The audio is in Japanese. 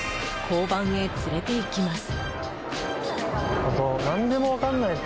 交番へ連れていきます。